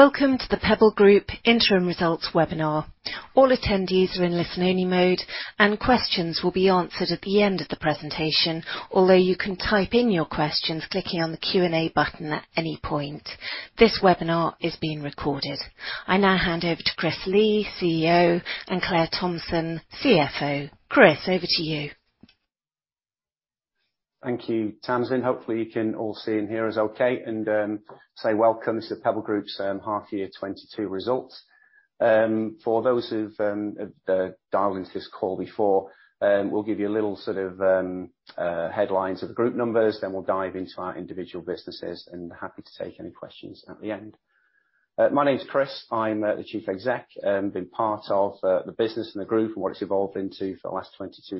Welcome to the Pebble Group Interim Results webinar. All attendees are in listen-only mode, and questions will be answered at the end of the presentation, although you can type in your questions using the Q&A button at any point. This webinar is being recorded. I will now hand over to Christopher Lee, CEO, and Claire Thomson, CFO. Chris, over to you. Thank you, Tamsin. Hopefully you can all see and hear us okay, and welcome to Pebble Group's half-year 2022 results. For those who've dialed into this call before, we'll give you a headlines of the group numbers, then we'll dive into our individual businesses, and happy to take any questions at the end. My name's Chris. I'm the chief exec, been part of the business and the group and what it's evolved into for the last 22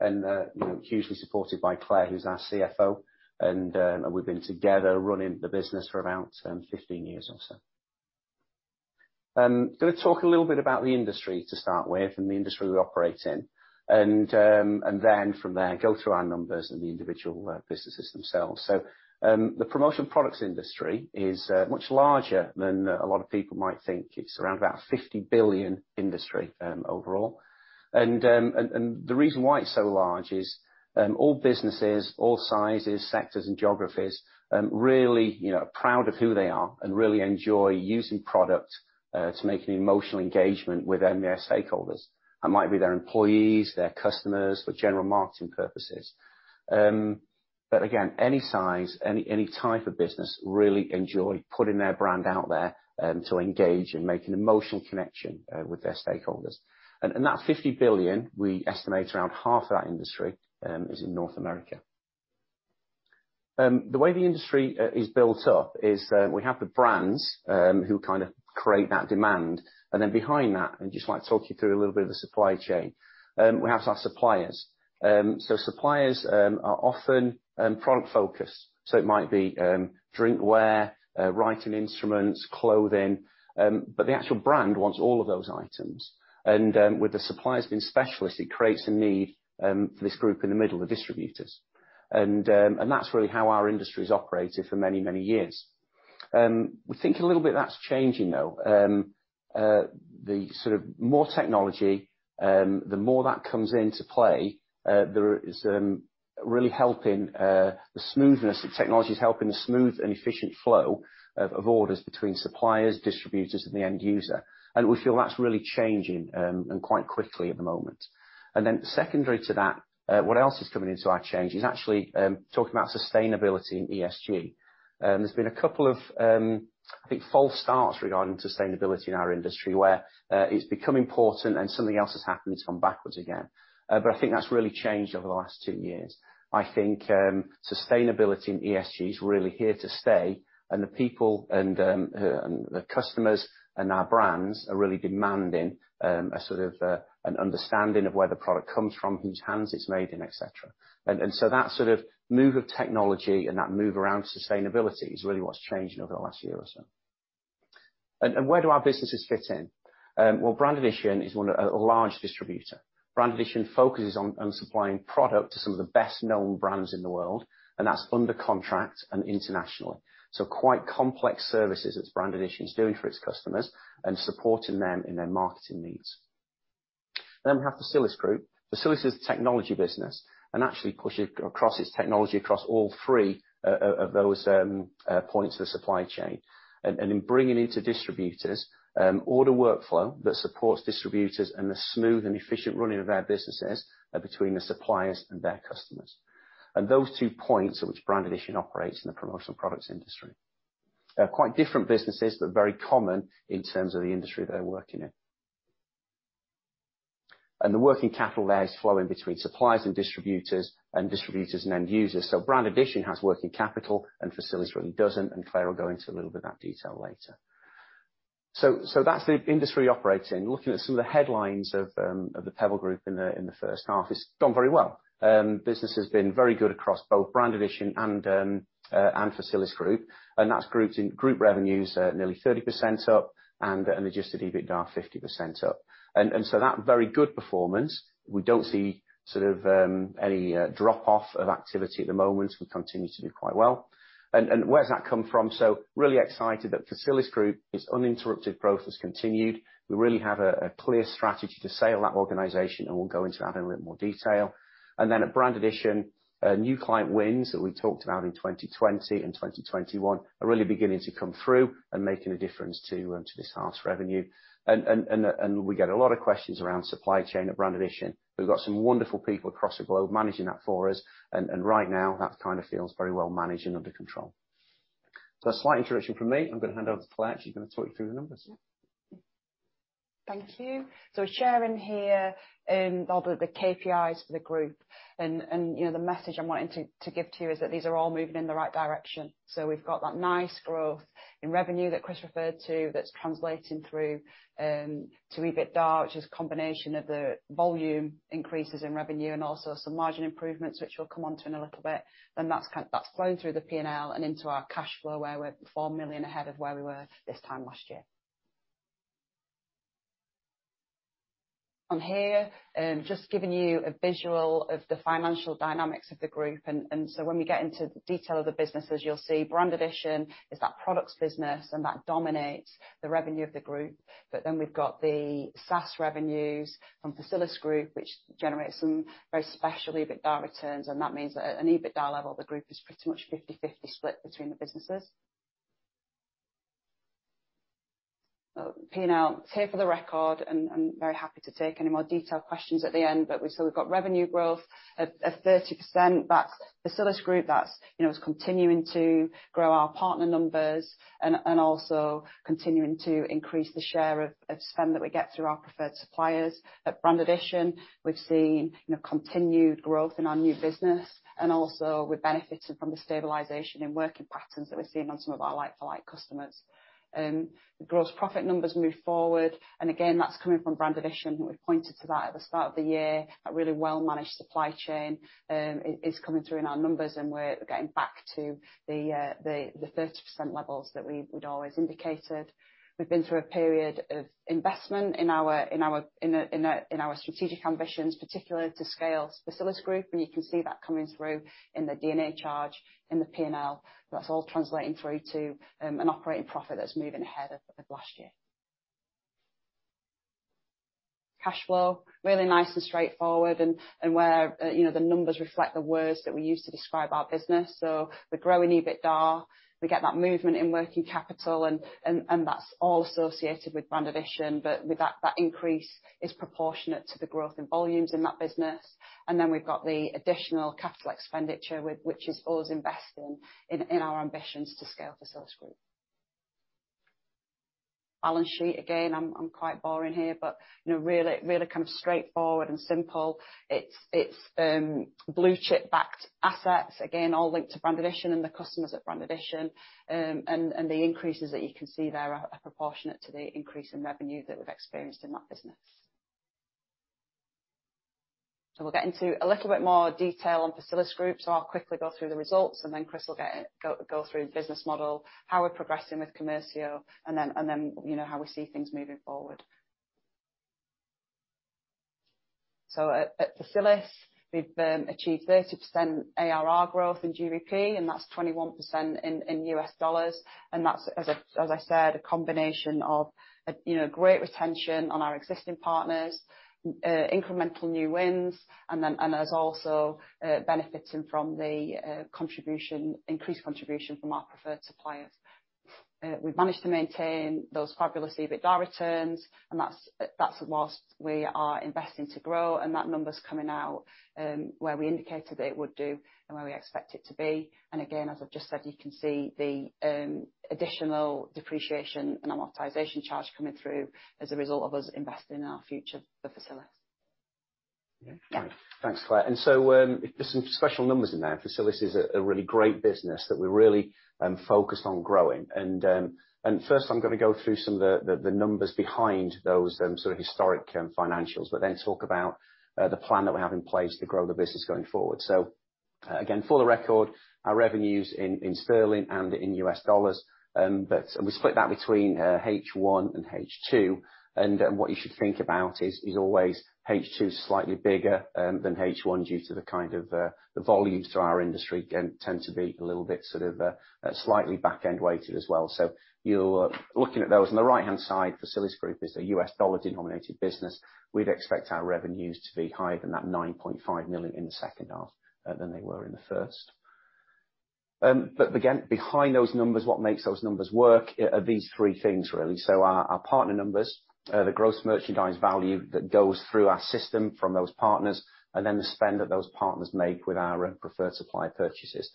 years, and hugely supported by Claire, who's our CFO, and we've been together running the business for about 15 years or so. Im going to talk about the industry to start with and the industry we operate in and then from there, go through our numbers and the individual businesses themselves. The promotional products industry is much larger than a lot of people might think. It's around about a 50 billion industry overall. The reason why it's so large is all businesses, all sizes, sectors and geographies really, are proud of who they are and really enjoy using products to make an emotional engagement with their stakeholders. That might be their employees, their customers for general marketing purposes. Again, any size, any type of business really enjoy putting their brand out there to engage and make an emotional connection with their stakeholders. that $50 billion, we estimate around half of that industry is in North America. The way the industry is built up is, we have the brands who create that demand, and then behind that, I'd just like to talk you through a little bit of the supply chain. We have our suppliers. So suppliers are often product focused, so it might be drinkware, writing instruments, clothing, but the actual brand wants all of those items and, with the suppliers being specialists, it creates a need for this group in the middle of distributors. That's really how our industry's operated for many, many years. We think a little bit that's changing, though. The more technology comes into play, it's really helping the smooth and efficient flow of orders between suppliers, distributors and the end user, and we feel that's really changing quite quickly at the moment. Then secondary to that, what else is coming into the change is actually talking about sustainability and ESG. There's been a couple of, I think, false starts regarding sustainability in our industry where it's become important and something else has happened and it's gone backwards again. But I think that's really changed over the last two years. I think sustainability and ESG is really here to stay and the people and the customers and our brands are really demanding an understanding of where the product comes from, whose hands it's made in, et cetera. So that move of technology and that move around sustainability is really what's changed over the last year or so. Where do our businesses fit in? Well, Brand Addition is a large distributor. Brand Addition focuses on supplying product to some of the best-known brands in the world, and that's under contract and internationally. Quite complex services that Brand Addition's doing for its customers and supporting them in their marketing needs. Then we have Facilisgroup. Facilisgroup is a technology business and actually pushes its technology across all three of those points of the supply chain. In bringing into distributors order workflow that supports distributors and the smooth and efficient running of their businesses between the suppliers and their customers. Those two points at which Brand Addition operates in the promotional products industry. They're quite different businesses, but very common in terms of the industry they work in. The working capital there is flowing between suppliers and distributors, and distributors and end users. Brand Addition has working capital, and Facilisgroup really doesn't, and Claire Thomson will go into a little bit of that detail later. That's the industry we operate in. Looking at some of the headlines of the Pebble Group in the first half, it's gone very well. Business has been very good across both Brand Addition and Facilisgroup. That's group revenues nearly 30% up, and adjusted EBITDA 50% up. That very good performance, we don't see any drop-off of activity at the moment. We continue to do quite well. Where's that come from? Really excited that Facilisgroup, its uninterrupted growth has continued. We really have a clear strategy to scale that organization, and we'll go into that in a little more detail. Then at Brand Addition, new client wins that we talked about in 2020 and 2021 are really beginning to come through and making a difference to this half's revenue. We get a lot of questions around supply chain at Brand Addition. We've got some wonderful people across the globe managing that for us and right now that feels very well managed and under control. A slight introduction from me. I'm going to hand over to Claire. She's going to talk you through the numbers. Yep. Thank you. Sharing here all the KPIs for the group, and the message I'm wanting to give to you is that these are all moving in the right direction. We've got that nice growth in revenue that Chris referred to that's translating through to EBITDA, which is a combination of the volume increases in revenue and also some margin improvements, which we'll come onto in a little bit. That's flowing through the P&L and into our cash flow, where we're 4 million ahead of where we were this time last year. On here, just giving you a visual of the financial dynamics of the group. When we get into the detail of the businesses, you'll see Brand Addition is that products business and that dominates the revenue of the group. We've got the SaaS revenues from Facilisgroup, which generates some very special EBITDA returns, and that means that at an EBITDA level, the group is pretty much 50/50 split between the businesses. P&L here for the record and very happy to take any more detailed questions at the end, but we've still got revenue growth at 30%. That's Facilisgroup, is continuing to grow our partner numbers and also continuing to increase the share of spend that we get through our preferred suppliers. At Brand Addition, we've seen, continued growth in our new business, and also we're benefiting from the stabilization in working patterns that we're seeing on some of our like-for-like customers. The gross profit numbers move forward, and again, that's coming from Brand Addition, and we've pointed to that at the start of the year. A really well-managed supply chain is coming through in our numbers, and we're getting back to the 30% levels that we would always indicated. We've been through a period of investment in our strategic ambitions, particularly to scale Facilisgroup, and you can see that coming through in the D&A charge in the P&L. That's all translating through to an operating profit that's moving ahead of last year. Cash flow, really nice and straightforward, and where the numbers reflect the words that we use to describe our business. We grow an EBITDA, we get that movement in working capital and that's all associated with Brand Addition, but with that increase is proportionate to the growth in volumes in that business. We've got the additional capital expenditure with which is us investing in our ambitions to scale Facilisgroup. Balance sheet, again, I'm quite boring here, but in a really straightforward and simple. It's blue chip backed assets, again, all linked to Brand Addition and the customers at Brand Addition. The increases that you can see there are proportionate to the increase in revenue that we've experienced in that business. We'll get into a little bit more detail on Facilisgroup, so I'll quickly go through the results and then Chris will go through the business model, how we're progressing with Commercio, and then how we see things moving forward. At Facilisgroup, we've achieved 30% ARR growth in GBP, and that's 21% in U.S. dollars, and that's as I said, a combination of, great retention on our existing partners, incremental new wins, and then there's also benefiting from the increased contribution from our preferred suppliers. We've managed to maintain those fabulous EBITDA returns, and that's while we are investing to grow, and that number's coming out where we indicated it would do and where we expect it to be. Again, as I've just said, you can see the additional depreciation and amortization charge coming through as a result of us investing in our future for Facilisgroup. Yeah. Thanks, Claire. There's some specific numbers in there. Facilis is a really great business that we're really focused on growing. First I'm going to through some of the numbers behind those historic financials, but then talk about the plan that we have in place to grow the business going forward. Again, for the record, our revenues in sterling and in US dollars, but we split that between H1 and H2, and what you should think about is always H2 is slightly bigger than H1 due to the volumes in our industry can tend to be a little bit slightly back-end weighted as well. You're looking at those on the right-hand side. Facilisgroup is a US dollar denominated business. We'd expect our revenues to be higher than that $9.5 million in the second half than they were in the first. Behind those numbers, what makes those numbers work are these three things really. Our partner numbers, the gross merchandise value that goes through our system from those partners, and then the spend that those partners make with our preferred supplier purchases.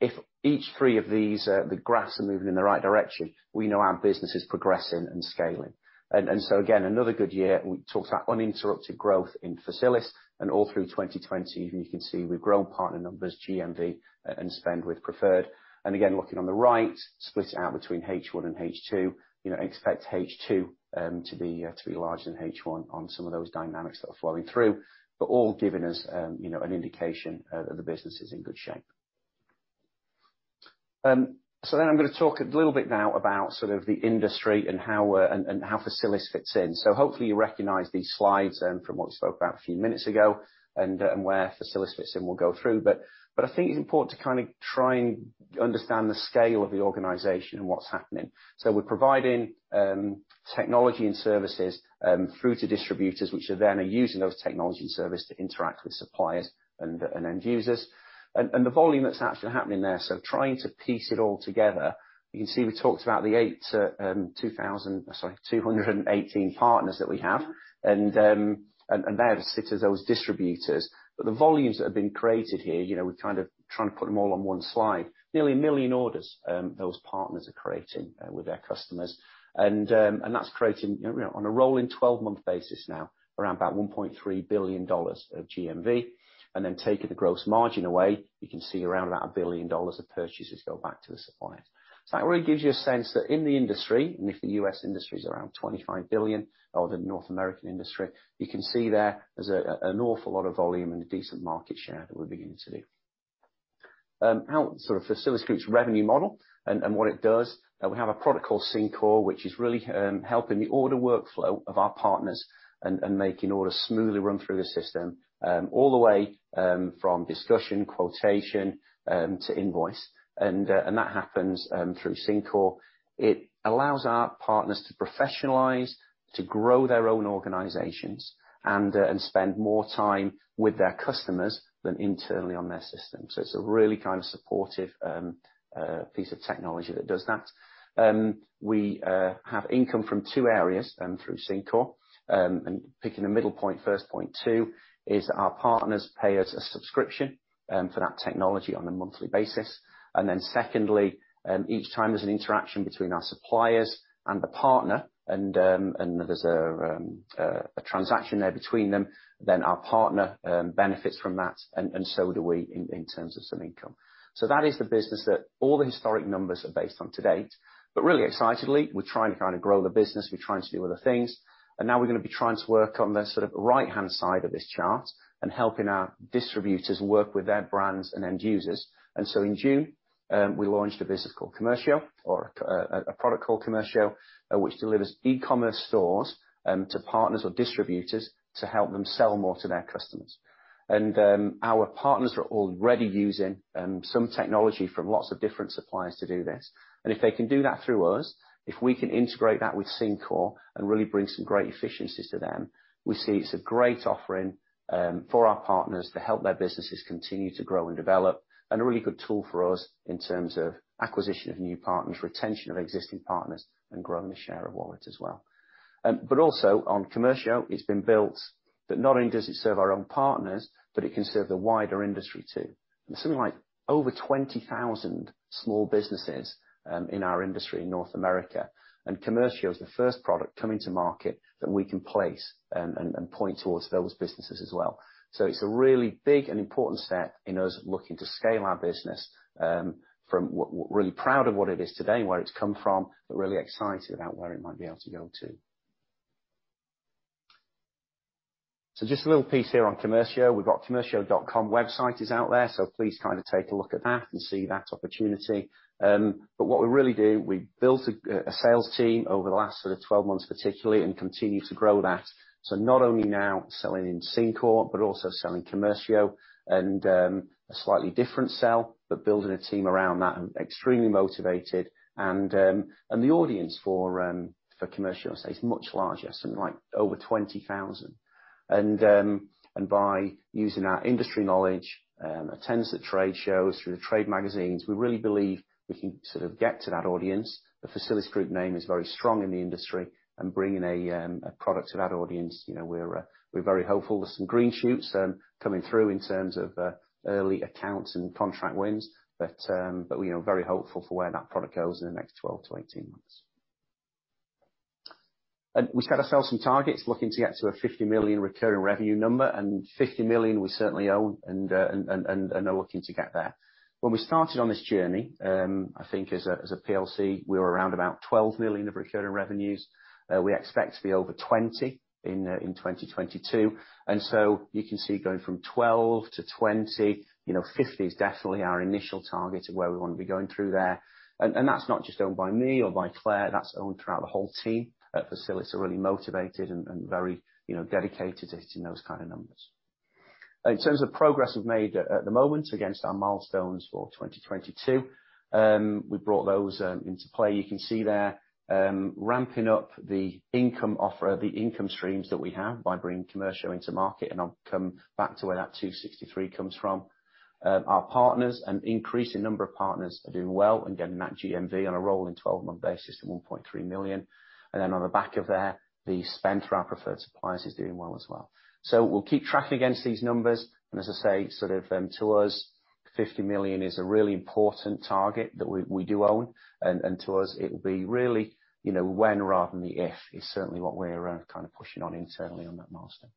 If each three of these, the graphs are moving in the right direction, we know our business is progressing and scaling. Again, another good year. We talked about uninterrupted growth in Facilisgroup and all through 2020. You can see we've grown partner numbers, GMV, and spend with preferred. Again, looking on the right, split it out between H1 and h2, expect H2 to be larger than H1 on some of those dynamics that are flowing through. All giving us, an indication that the business is in good shape. I'm going to talk a little bit now about the industry and how we're and how Facilisgroup fits in. Hopefully you recognize these slides from what we spoke about a few minutes ago, and where Facilisgroup fits in, we'll go through. I think it's important to try and understand the scale of the organization and what's happening. We're providing technology and services through to distributors, which are then using those technology and service to interact with suppliers and end users. The volume that's actually happening there, so trying to piece it all together, you can see we talked about the 218 partners that we have, and they sit as those distributors. The volumes that have been created here, we're trying to put them all on one slide. Nearly 1 million orders those partners are creating with their customers. That's creating, on a rolling twelve-month basis now, around about $1.3 billion of GMV. Taking the gross margin away, you can see around about $1 billion of purchases go back to the suppliers. That really gives you a sense that in the industry, and if the US industry is around $25 billion, or the North American industry, you can see there's an awful lot of volume and a decent market share that we're beginning to do. About Facilisgroup's revenue model and what it does, we have a product called Syncore, which is really helping the order workflow of our partners and making orders smoothly run through the system, all the way from discussion, quotation to invoice. That happens through Syncore. It allows our partners to professionalize, to grow their own organizations and spend more time with their customers than internally on their system. It's a really supportive piece of technology that does that. We have income from two areas through Syncore. Picking the middle point first, point two, is that our partners pay us a subscription for that technology on a monthly basis. Then secondly, each time there's an interaction between our suppliers and the partner and there's a transaction there between them, then our partner benefits from that, and so do we in terms of some income. That is the business that all the historic numbers are based on to date. Really excitedly, we're trying to kinda grow the business. We're trying to do other things. Now we're going to be trying to work on the right-hand side of this chart and helping our distributors work with their brands and end users. In June, we launched a product called Commercio, which delivers e-commerce stores to partners or distributors to help them sell more to their customers. Our partners are already using some technology from lots of different suppliers to do this. If they can do that through us, if we can integrate that with Syncore and really bring some great efficiencies to them, we see it's a great offering for our partners to help their businesses continue to grow and develop, and a really good tool for us in terms of acquisition of new partners, retention of existing partners, and growing the share of wallet as well. Also on Commercio, it's been built that not only does it serve our own partners, but it can serve the wider industry too. There's something like over 20,000 small businesses in our industry in North America, and Commercio is the first product coming to market that we can place and point towards those businesses as well. It's a really big and important step for us looking to scale our business from what we're really proud of what it is today and where it's come from, but really excited about where it might be able to go to. Just a little piece here on Commercio. We've got commercio.com website is out there, so please take a look at that and see that opportunity. What we really do, we built a sales team over the last 12 months particularly and continue to grow that. Not only now selling in Syncore, but also selling Commercio and a slightly different sell, but building a team around that and extremely motivated, and the audience for Commercio is much larger, something like over 20,000. By using our industry knowledge, attendance at trade shows through the trade magazines, we really believe we can get to that audience. The Facilisgroup name is very strong in the industry and bringing a product to that audience, we're very hopeful. There's some green shoots coming through in terms of early accounts and contract wins, but we're, very hopeful for where that product goes in the next 12-18 months. We set ourselves some targets, looking to get to a 50 million recurring revenue number, and 50 million we certainly own and are looking to get there. When we started on this journey, I think as a PLC, we were around about 12 million of recurring revenues. We expect to be over 20 in 2022. You can see going from 12 to 20, 50 is definitely our initial target of where we want to be going through there. That's not just owned by me or by Claire, that's owned throughout the whole team at Facilisgroup are really motivated and very, dedicated to hitting those numbers. In terms of progress we've made at the moment against our milestones for 2022, we've brought those into play. You can see there, ramping up the income offer, the income streams that we have by bringing Commercio into market, and I'll come back to where that 263 comes from. Our partners, an increasing number of partners are doing well and getting that GMV on a rolling twelve-month basis to 1.3 million. On the back of there, the spend through our preferred suppliers is doing well as well. We'll keep tracking against these numbers, and as I say, to us, 50 million is a really important target that we do own. To us, it'll be really, when rather than the if is certainly what we're pushing on internally on that milestone.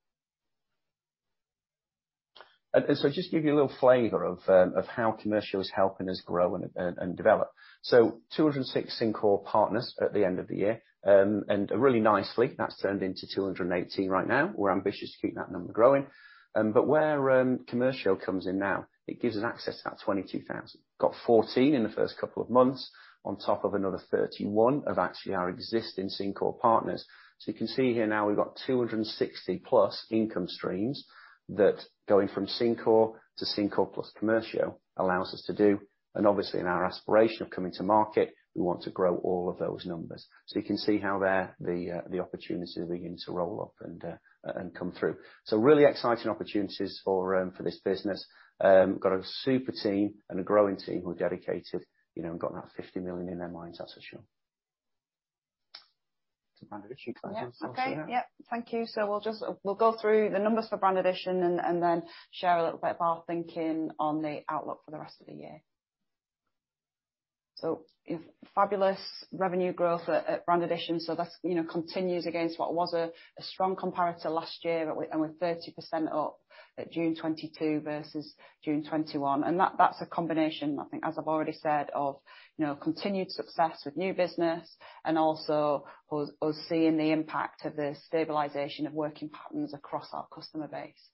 Just give you a little flavor of how Commercio is helping us grow and develop. 206 Syncore partners at the end of the year, and really nicely, that's turned into 218 right now. We're ambitious to keep that number growing. Where Commercio comes in now, it gives us access to that 22,000. Got 14 in the first couple of months on top of another 31 of actually our existing Syncore partners. You can see here now we've got 260 plus income streams that going from Syncore to Syncore plus Commercio allows us to do. Obviously in our aspiration of coming to market, we want to grow all of those numbers. You can see how there the opportunities begin to roll up and come through. Really exciting opportunities for this business. Got a super team and a growing team who are dedicated, and got that 50 million in their minds, that's for sure. Brand Addition, Claire, do you want to talk through that? Thank you. We'll go through the numbers for Brand Addition and then share a little bit of our thinking on the outlook for the rest of the year. Fabulous revenue growth at Brand Addition. That continues against what was a strong comparator last year and we're 30% up at June 2022 versus June 2021. That's a combination, I think, as I've already said, of, continued success with new business and also us seeing the impact of the stabilization of working patterns across our customer base. ,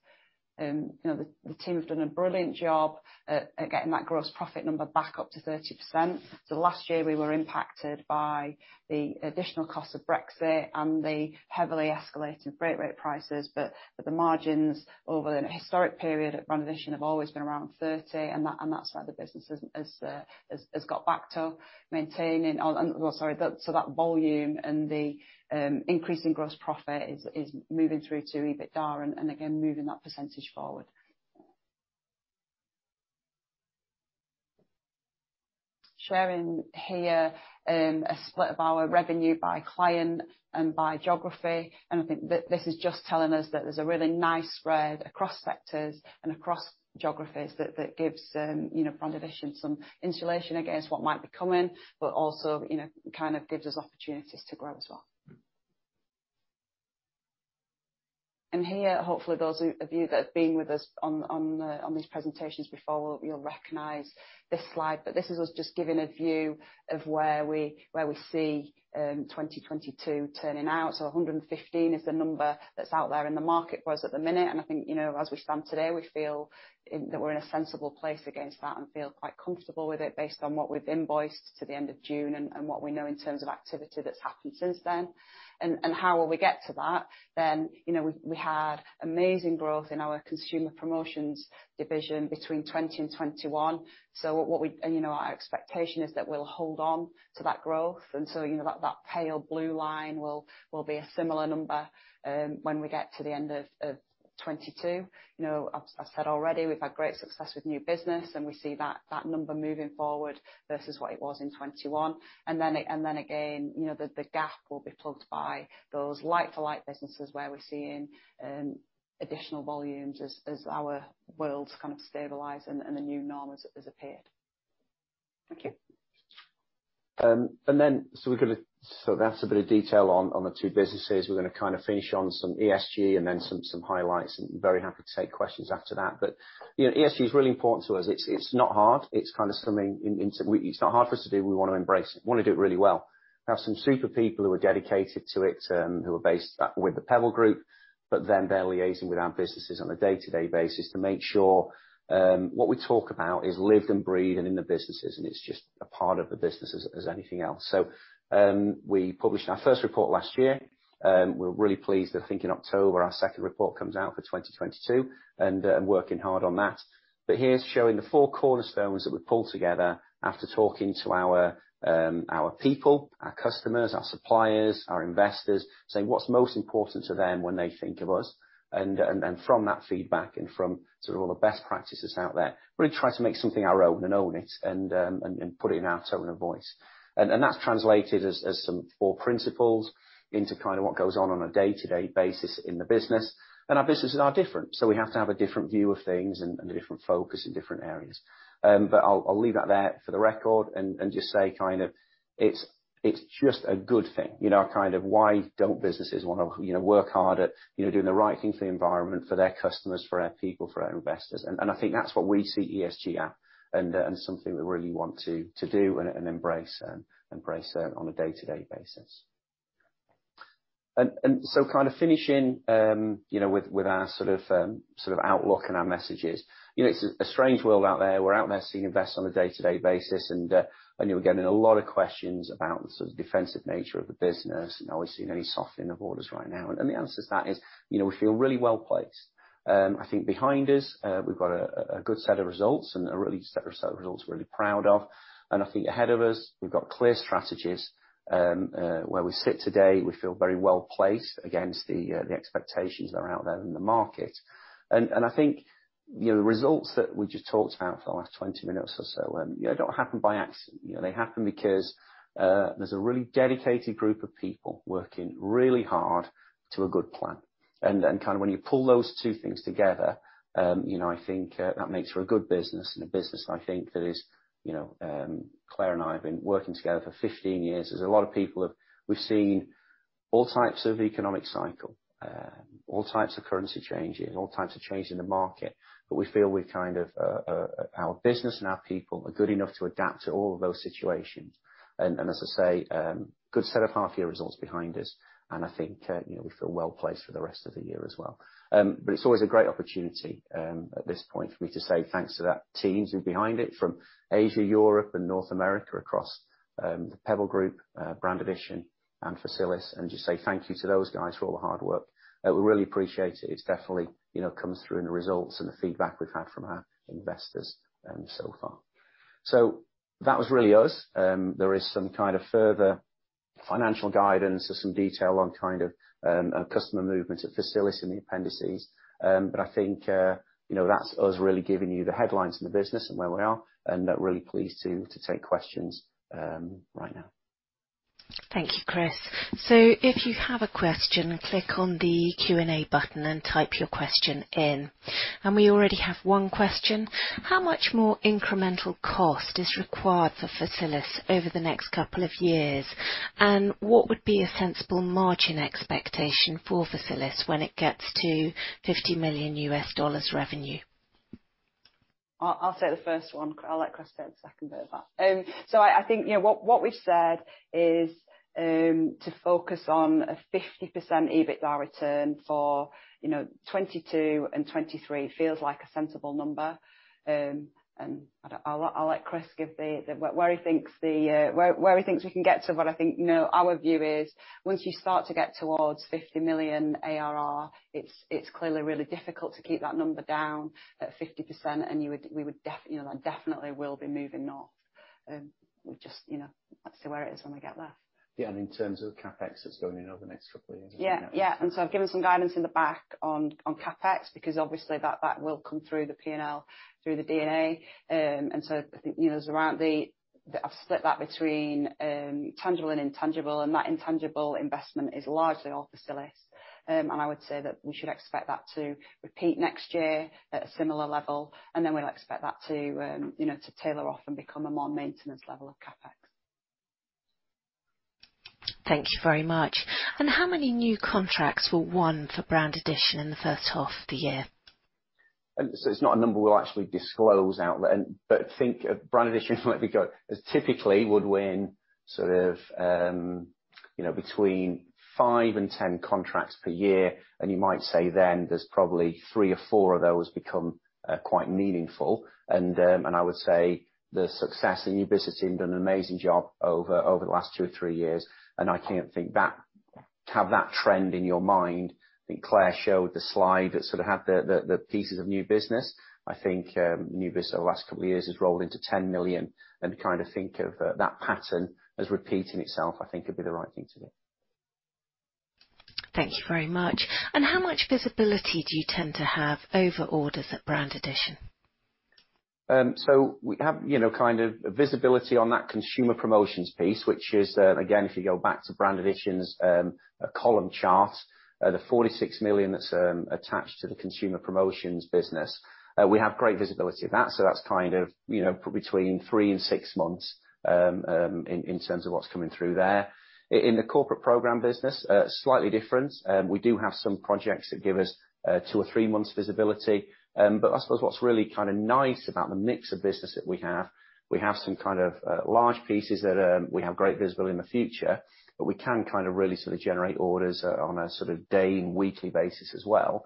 the team have done a brilliant job at getting that gross profit number back up to 30%. Last year we were impacted by the additional cost of Brexit and the heavily escalated freight rate prices. The margins over the historic period at Brand Addition have always been around 30%, and that side of the business has got back to maintaining. That volume and the increase in gross profit is moving through to EBITDA and again, moving that percentage forward. Sharing here a split of our revenue by client and by geography. I think this is just telling us that there's a really nice spread across sectors and across geographies that gives Brand Addition some insulation against what might be coming, but also, gives us opportunities to grow as well. Here, hopefully those of you that have been with us on these presentations before you'll recognize this slide. This is us just giving a view of where we see 2022 turning out. 115 is the number that's out there in the market for us at the minute. I think, as we stand today, we feel that we're in a sensible place against that and feel quite comfortable with it based on what we've invoiced to the end of June and what we know in terms of activity that's happened since then. How will we get to that, then, we had amazing growth in our consumer promotions division between 2020 and 2021. Our expectation is that we'll hold on to that growth. That pale blue line will be a similar number when we get to the end of 2022., I've said already, we've had great success with new business, and we see that number moving forward versus what it was in 2021. Then again, the gap will be plugged by those like-for-like businesses where we're seeing additional volumes as our worlds stabilize and the new norm has appeared. Thank you. That's a bit of detail on the two businesses. We're going to finish on some ESG and then some highlights, and very happy to take questions after that. ESG is really important to us. It's not hard. It's not hard for us to do. We want to embrace it and we want to do it really well. We have some super people who are dedicated to it, who are based with the Pebble Group, but then they're liaising with our businesses on a day-to-day basis to make sure what we talk about is lived and breathed and in the businesses, and it's just a part of the business as anything else. We published our first report last year. We're really pleased. I think in October, our second report comes out for 2022, and working hard on that. Here's showing the four cornerstones that we pulled together after talking to our people, our customers, our suppliers, our investors, saying what's most important to them when they think of us. From that feedback and from all the best practices out there, really try to make something our own and own it and put it in our tone of voice. That's translated as some four principles into what goes on a day-to-day basis in the business. Our businesses are different, so we have to have a different view of things and a different focus in different areas. I'll leave that there for the record and just say, it's just a good thing. Why don't businesses want to work hard at, doing the right thing for the environment, for their customers, for our people, for our investors? I think that's what we see ESG as. Something we really want to do and embrace on a day-to-day basis. Finishing, with our outlook and our messages. It's a strange world out there. We're out there seeing investors on a day-to-day basis and you're getting a lot of questions about the defensive nature of the business, and are we seeing any softening of orders right now. The answer to that is, we feel really well-placed. I think behind us, we've got a good set of results and a really set of results we're really proud of. I think ahead of us, we've got clear strategies. Where we sit today, we feel very well-placed against the expectations that are out there in the market. I think, the results that we just talked about for the last 20 minutes or so, they don't happen by accident. They happen because there's a really dedicated group of people working really hard to a good plan. when you pull those two things together, I think that makes for a good business and a business I think that is, Claire and I have been working together for 15 years. We've seen all types of economic cycle, all types of currency changing, all types of change in the market, but we feel we've our business and our people are good enough to adapt to all of those situations. As I say, good set of half-year results behind us, and I think, we feel well-placed for the rest of the year as well. It's always a great opportunity at this point for me to say thanks to those teams who are behind it from Asia, Europe, and North America, across the Pebble Group, Brand Addition and Facilisgroup, and just say thank you to those guys for all the hard work. We really appreciate it. It's definitely, comes through in the results and the feedback we've had from our investors so far. That was really us. There is some further financial guidance or some detail on customer movement at Facilisgroup in the appendices. I think, that's us really giving you the headlines in the business and where we are, and really pleased to take questions right now. Thank you, Chris. If you have a question, click on the Q&A button and type your question in. We already have one question. How much more incremental cost is required for Facilisgroup over the next couple of years? What would be a sensible margin expectation for Facilisgroup when it gets to $50 million revenue? I'll say the first one. I'll let Chris say the second bit of that. So I think, what we've said is to focus on a 50% EBITDA return for, 2022 and 2023 feels like a sensible number. I'll let Chris give where he thinks we can get to. I think, our view is once you start to get towards 50 million ARR, it's clearly really difficult to keep that number down at 50% and we would definitely, that definitely will be moving north. We'll just, have to see where it is when we get there. Yeah, in terms of CapEx, it's going another next couple of years. Yeah, yeah. I've given some guidance in the back on CapEx because obviously that will come through the P&L, through the D&A. I think, I've split that between tangible and intangible, and that intangible investment is largely all Facilis. I would say that we should expect that to repeat next year at a similar level, and then we'll expect that to, to taper off and become a more maintenance level of CapEx. Thank you very much. How many new contracts were won for Brand Addition in the first half of the year? It's not a number we'll actually disclose. Think of Brand Addition typically would win, between five and 10 contracts per year. You might say then there's probably three or four of those become quite meaningful. I would say the sales and new business team done an amazing job over the last two or three years. I can't think that to have that trend in your mind. I think Claire showed the slide that had the pieces of new business. I think new business over the last couple of years has rolled into 10 million, and think of that pattern as repeating itself. I think would be the right thing to do. Thank you very much. How much visibility do you tend to have over orders at Brand Addition? We have, visibility on that consumer promotions piece, which is, again, if you go back to Brand Addition's column chart, the 46 million that's attached to the consumer promotions business, we have great visibility of that, so that's, between three and six months in terms of what's coming through there. In the corporate program business, slightly different. We do have some projects that give us two or three months visibility. I suppose what's really kinda nice about the mix of business that we have, we have some large pieces that we have great visibility in the future, but we can really generate orders on a day and weekly basis as well.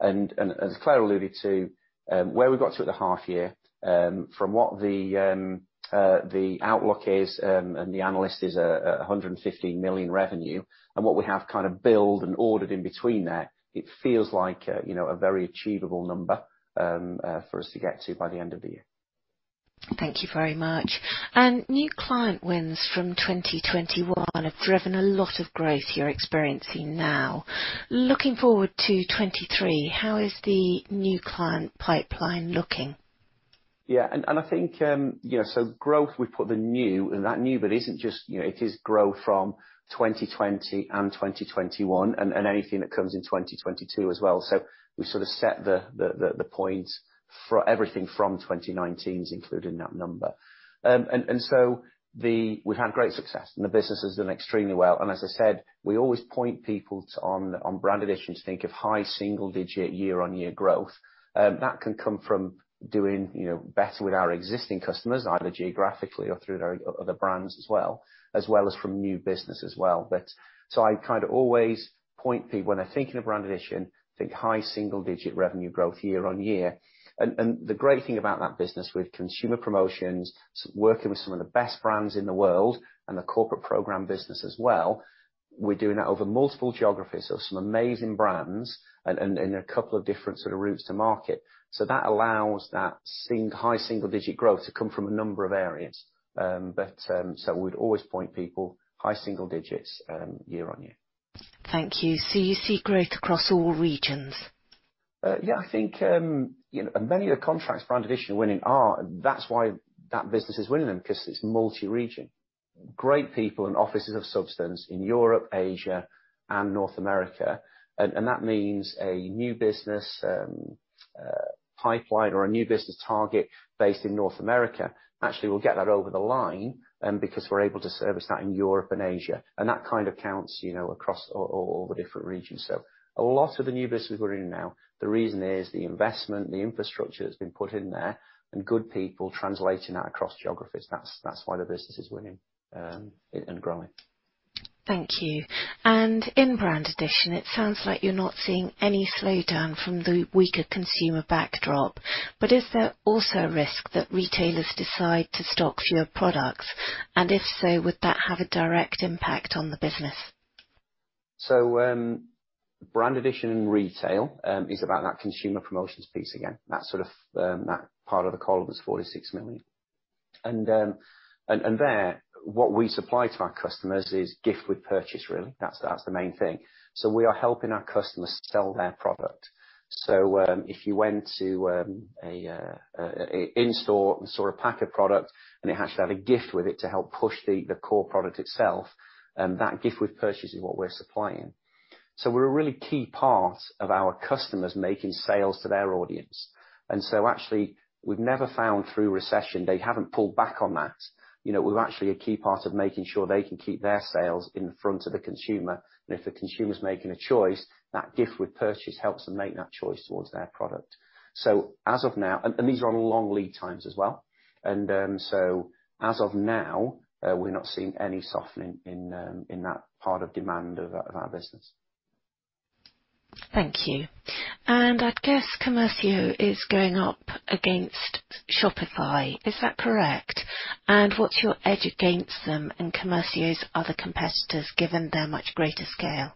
As Claire alluded to, where we got to at the half year, from what the outlook is, and the analyst is 115 million revenue, and what we have built and ordered in between there, it feels like, a very achievable number for us to get to by the end of the year. Thank you very much. New client wins from 2021 have driven a lot of growth you're experiencing now. Looking forward to 2023, how is the new client pipeline looking? I think, growth, we put the new, and that new bit isn't just, it is growth from 2020 and 2021 and anything that comes in 2022 as well. We set the points for everything from 2019 is included in that number. We've had great success and the business has done extremely well. As I said, we always point people to Brand Addition to think of high single digit year-on-year growth. That can come from doing, better with our existing customers, either geographically or through their other brands as well as from new business as well. I always point people when they're thinking of Brand Addition, think high single digit revenue growth year on year. The great thing about that business with consumer promotions, so working with some of the best brands in the world and the corporate program business as well, we're doing that over multiple geographies of some amazing brands and a couple of different routes to market. That allows that high single digit growth to come from a number of areas. But we'd always point people high single digits year on year. Thank you. You see growth across all regions? Yeah, I think many of the contracts Brand Addition are winning are that's why that business is winning them 'cause it's multi-region. Great people and offices of substance in Europe, Asia and North America. That means a new business pipeline or a new business target based in North America. Actually, we'll get that over the line because we're able to service that in Europe and Asia, and that counts across all the different regions. A lot of the new business we're in now the reason is the investment the infrastructure that's been put in there and good people translating that across geographies that's why the business is winning and growing. Thank you. In Brand Addition, it sounds like you're not seeing any slowdown from the weaker consumer backdrop. Is there also a risk that retailers decide to stock fewer products? If so, would that have a direct impact on the business? Brand Addition in retail is about that consumer promotions piece again, that part of the column that's 46 million. There what we supply to our customers is gift with purchase really. That's the main thing. We are helping our customers sell their product. If you went to an in-store and saw a pack of product and it actually had a gift with it to help push the core product itself, that gift with purchase is what we're supplying. We're a really key part of our customers making sales to their audience. Actually we've never found through recession, they haven't pulled back on that. , we're actually a key part of making sure they can keep their sales in front of the consumer. If the consumer's making a choice, that gift with purchase helps them make that choice towards their product. These are on long lead times as well. As of now, we're not seeing any softening in that part of demand of our business. Thank you. I'd guess Commercio is going up against Shopify. Is that correct? What's your edge against them and Commercio's other competitors, given their much greater scale?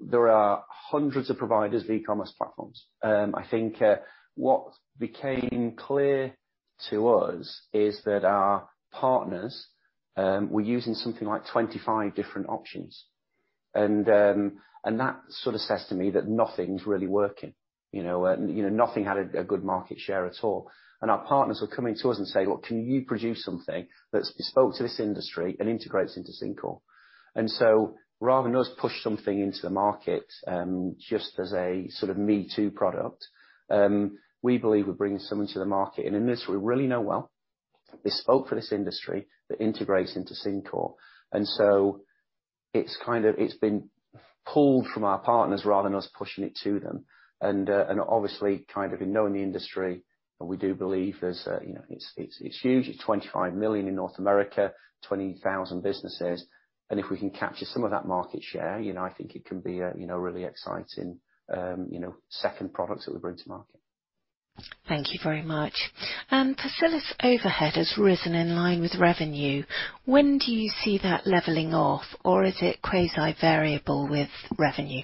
There are hundreds of providers of e-commerce platforms. I think what became clear to us is that our partners were using something like 25 different options. That says to me that nothing's really working, ?, nothing had a good market share at all. Our partners were coming to us and saying, "Look, can you produce something that's bespoke to this industry and integrates into Syncore?" Rather than us push something into the market, just as a me-too product, we believe we're bringing something to the market. In this, we really know well, bespoke for this industry that integrates into Syncore. It's been pulled from our partners rather than us pushing it to them. In knowing the industry, we do believe there's. It's huge. It's $25 million in North America, 20,000 businesses. If we can capture some of that market share, I think it can be a, really exciting, second product that we bring to market. Thank you very much. Facilisgroup overhead has risen in line with revenue. When do you see that leveling off? Or is it quasi-variable with revenue?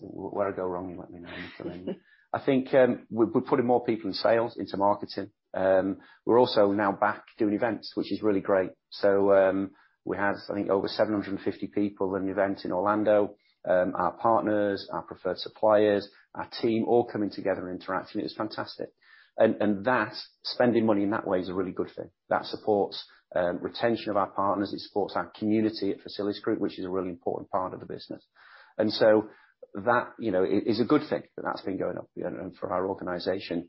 Where I go wrong, you let me know. I think, we're putting more people in sales, into marketing. We're also now back doing events, which is really great. We had, I think, over 750 people in an event in Orlando. Our partners, our preferred suppliers, our team, all coming together and interacting. It was fantastic. That spending money in that way is a really good thing. That supports retention of our partners, it supports our community at Facilisgroup, which is a really important part of the business. that, is a good thing that that's been going up, for our organization.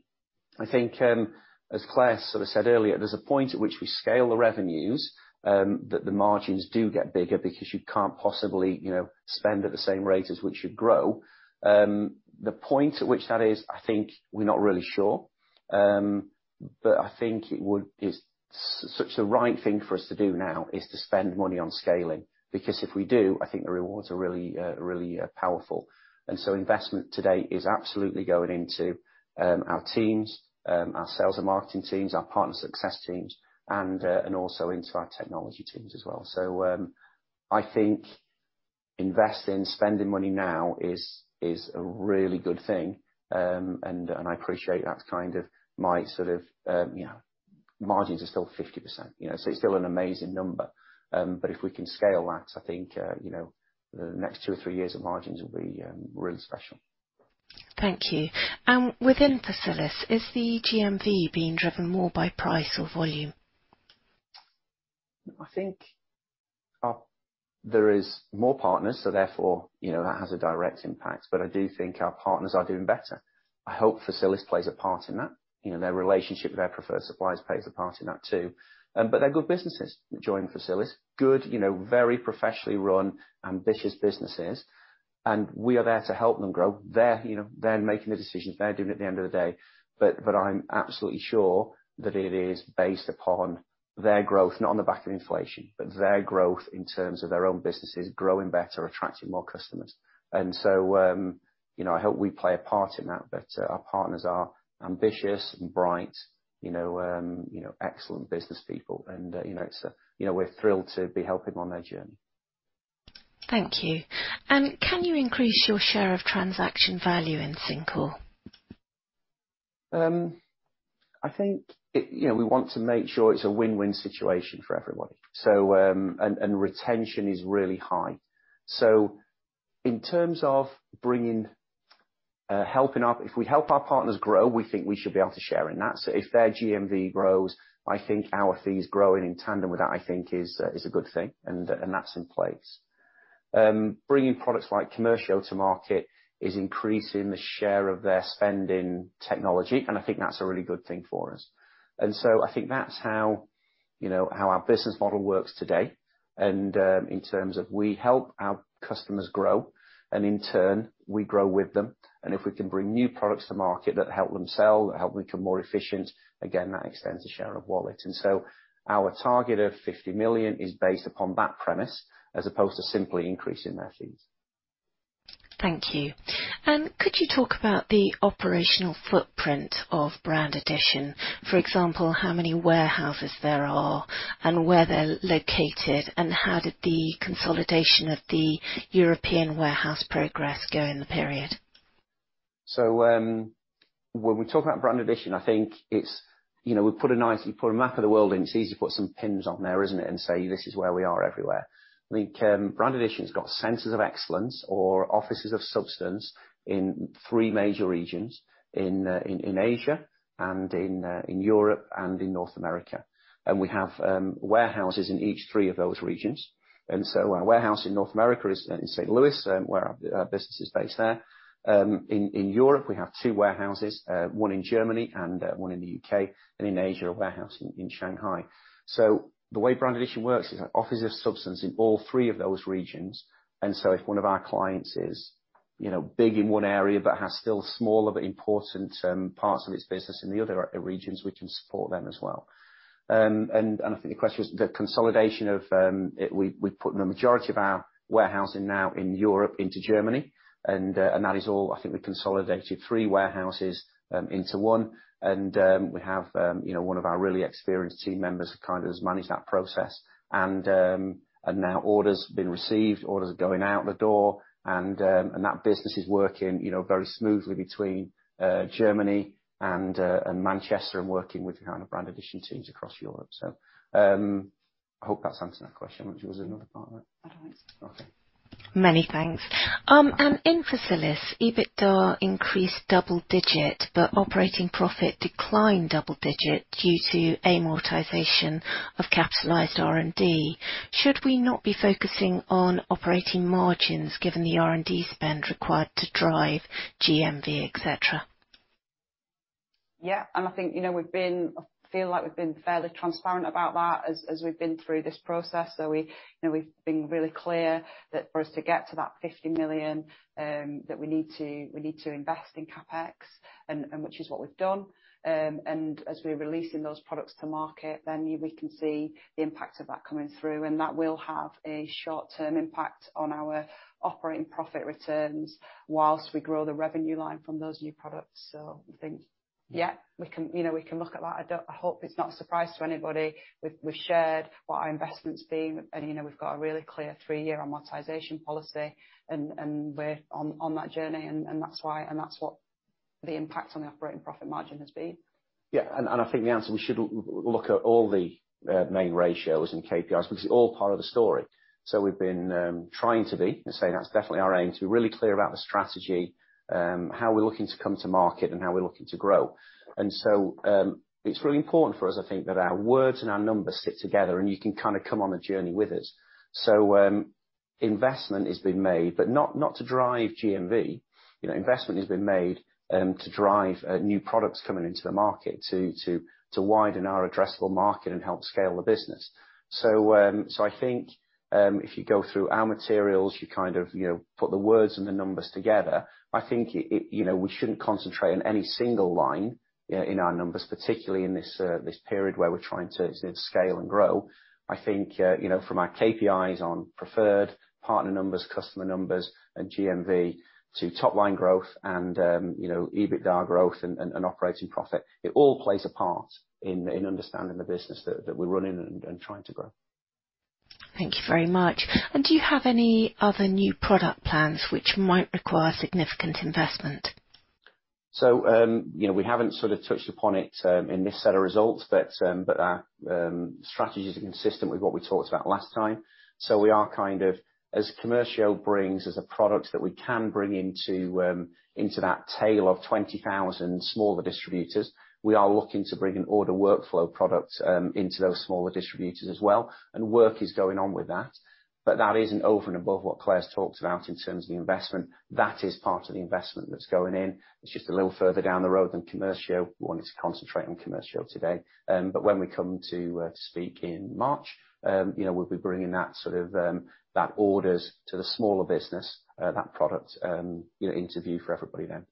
I think, as Claire said earlier, there's a point at which we scale the revenues, that the margins do get bigger because you can't possibly, spend at the same rate as we should grow. The point at which that is, I think we're not really sure. But I think it's such the right thing for us to do now is to spend money on scaling, because if we do, I think the rewards are really powerful. Investment today is absolutely going into our teams, our sales and marketing teams, our partner success teams, and also into our technology teams as well. I think investing, spending money now is a really good thing. And I appreciate that's my,. Margins are still 50%,? It's still an amazing number. If we can scale that, I think, the next two or three years of margins will be really special. Thank you. Within Facilisgroup, is the GMV being driven more by price or volume? I think there is more partners, so therefore, that has a direct impact, but I do think our partners are doing better. I hope Facilisgroup plays a part in that., their relationship with their preferred suppliers plays a part in that too. They're good businesses that join Facilisgroup. good, very professionally run ambitious businesses, and we are there to help them grow. they're, making the decisions. They're doing it at the end of the day, but I'm absolutely sure that it is based upon their growth, not on the back of inflation. Their growth in terms of their own businesses growing better, attracting more customers., I hope we play a part in that, but our partners are ambitious and bright, excellent business people and, it's, we're thrilled to be helping them on their journey. Thank you. Can you increase your share of transaction value in Syncore? I think, we want to make sure it's a win-win situation for everybody. Retention is really high. If we help our partners grow, we think we should be able to share in that. If their GMV grows, I think our fees growing in tandem with that, I think is a good thing, and that's in place. Bringing products like Commercio to market is increasing the share of their spend in technology, and I think that's a really good thing for us. I think that's how, how our business model works today. In terms of, we help our customers grow, and in turn, we grow with them. If we can bring new products to market that help them sell, that help them become more efficient, again, that extends the share of wallet. Our target of 50 million is based upon that premise as opposed to simply increasing their fees. Thank you. Could you talk about the operational footprint of Brand Addition? For example, how many warehouses there are and where they're located, and how did the consolidation of the European warehouse progress go in the period? When we talk about Brand Addition, I think, we put a nice, you put a map of the world, and it's easy to put some pins on there, isn't it, and say, "This is where we are everywhere." I think, Brand Addition's got centers of excellence or offices of substance in three major regions, in Asia and in Europe and in North America. We have warehouses in each three of those regions. Our warehouse in North America is in St. Louis, where our business is based there. In Europe, we have two warehouses, one in Germany and one in the UK, and in Asia, a warehouse in Shanghai. The way Brand Addition works is our offices of substance in all three of those regions. If one of our is, big in one area but has still smaller important parts of its business in the other regions, we can support them as well. I think the question is the consolidation. We've put the majority of our warehousing now in Europe into Germany, and that is all. I think we consolidated three warehouses into one, and we have, one of our really experienced team members has managed that process. Now orders have been received, orders are going out the door, and that business is working, very smoothly between Germany and Manchester and working with the Brand Addition teams across Europe. I hope that's answered that question. Was there another part of it? Okay. Many thanks. In Facilis, EBITDA increased double-digit, but operating profit declined double-digit due to amortization of capitalized R&D. Should we not be focusing on operating margins given the R&D spend required to drive GMV, et cetera? Yeah. I think, I feel like we've been fairly transparent about that as we've been through this process. we, we've been really clear that for us to get to that 50 million, that we need to invest in CapEx, and which is what we've done. As we're releasing those products to market, then we can see the impact of that coming through, and that will have a short-term impact on our operating profit returns while we grow the revenue line from those new products. I think, yeah, we can, we can look at that. I hope it's not a surprise to anybody. We've shared what our investment's been, and, we've got a really clear three-year amortization policy and we're on that journey, and that's why, and that's what the impact on the operating profit margin has been. I think the answer, we should look at all the main ratios and KPIs because it's all part of the story. We've been trying to be, and I say that's definitely our aim, to be really clear about the strategy, how we're looking to come to market and how we're looking to grow. It's really important for us, I think, that our words and our numbers sit together, and you can come on a journey with us. Investment is being made, but not to drive GMV., investment is being made to drive new products coming into the market to widen our addressable market and help scale the business. I think if you go through our materials, you, put the words and the numbers together. I think it., we shouldn't concentrate on any single line in our numbers, particularly in this period where we're trying to scale and grow. I think, from our KPIs on preferred partner numbers, customer numbers and GMV to top-line growth and, EBITDA growth and operating profit, it all plays a part in understanding the business that we're running and trying to grow. Thank you very much. Do you have any other new product plans which might require significant investment?, we haven't touched upon it in this set of results, but our strategies are consistent with what we talked about last time. We are, as Commercio brings, as a product that we can bring into that tail of 20,000 smaller distributors, we are looking to bring an order workflow product into those smaller distributors as well, and work is going on with that. That isn't over and above what Claire's talked about in terms of the investment. That is part of the investment that's going in. It's just a little further down the road than Commercio. We wanted to concentrate on Commercio today. When we come to speak in march, we'll be bringing that orders to the smaller business, that product, into view for everybody then.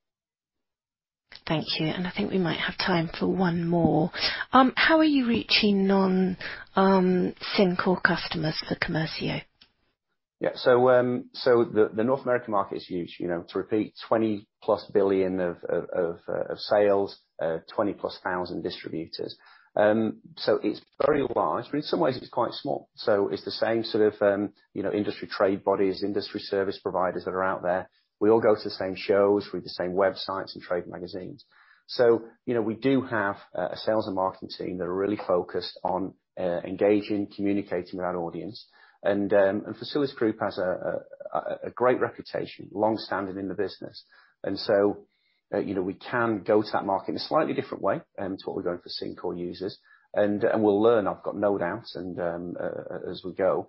Thank you. I think we might have time for one more. How are you reaching non-Syncore customers for Commercio? The North American market is huge,. To repeat, $20+ billion of sales, 20,000+ distributors. It's very large, but in some ways it's quite small. It's the same, industry trade bodies, industry service providers that are out there. We all go to the same shows, read the same websites and trade magazines., we do have a sales and marketing team that are really focused on engaging, communicating with our audience. Facilisgroup has a great reputation, long-standing in the business., we can go to that market in a slightly different way to what we're doing for Syncore users. We'll learn, I've got no doubt, as we go.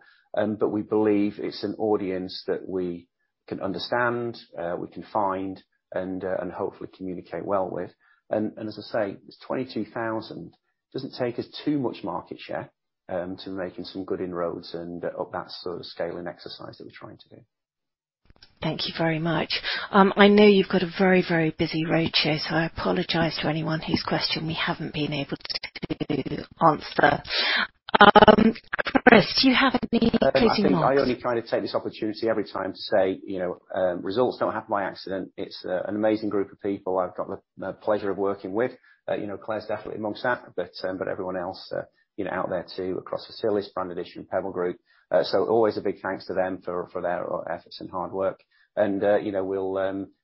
We believe it's an audience that we can understand, we can find and hopefully communicate well with. As I say, it's 22,000. Doesn't take us too much market share to making some good inroads and of that scale and exercise that we're trying to do. Thank you very much. I know you've got a very, very busy roadshow, so I apologize to anyone whose question we haven't been able to answer. Chris, do you have any closing remarks? I think I only try to take this opportunity every time to say, results don't happen by accident. It's an amazing group of people I've got the pleasure of working with., Claire's definitely among that, but everyone else, out there too across Facilis, Brand Addition, and Pebble Group. So always a big thanks to them for their efforts and hard work.,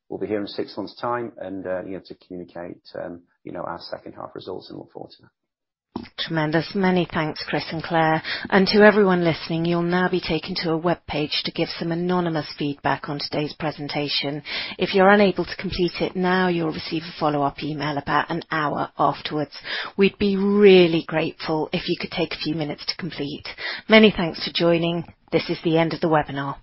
we'll be here in six months' time and to communicate our second half results and look forward to that. Tremendous. Many thanks, Chris and Claire. To everyone listening, you'll now be taken to a webpage to give some anonymous feedback on today's presentation. If you're unable to complete it now, you'll receive a follow-up email about an hour afterwards. We'd be really grateful if you could take a few minutes to complete. Many thanks for joining. This is the end of the webinar.